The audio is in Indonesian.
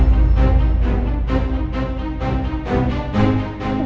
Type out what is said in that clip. ini ga ada ringtone